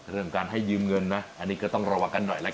เรื่องการให้ยืมเงินนะอันนี้ก็ต้องระวังกันหน่อยละกัน